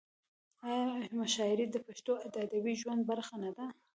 آیا مشاعرې د پښتنو د ادبي ژوند برخه نه ده؟